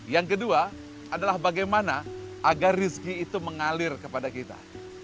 yang kedua adalah bagaimana agar rizki itu mengalir kepada kita